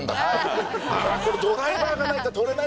これドライバーがないと取れないんじゃないか。